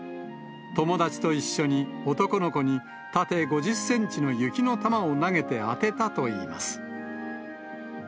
友達と一緒に、男の子に縦５０センチの雪の球を投げて当てたといいます。